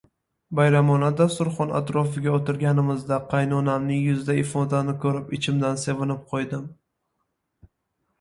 Bayramona dasturxon atrofiga o‘tirganimizda qaynonamning yuzidagi ifodani ko‘rib ichimdan sevinib qo‘ydim